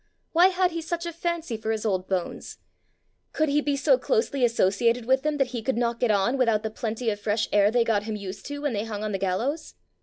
Why had he such a fancy for his old bones? Could he be so closely associated with them that he could not get on without the plenty of fresh air they got him used to when they hung on the gallows?